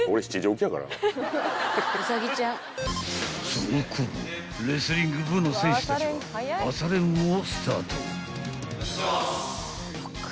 ［そのころレスリング部の選手たちは朝練をスタート］